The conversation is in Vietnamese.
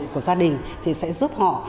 của gia đình thì sẽ giúp họ